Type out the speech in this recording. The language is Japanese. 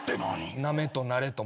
「なめと慣れと」